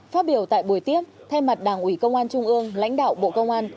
phát biểu tại buổi tiếp thay mặt đảng ủy công an trung ương lãnh đạo bộ công an